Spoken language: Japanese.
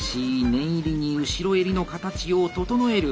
念入りに後ろ襟の形を整える。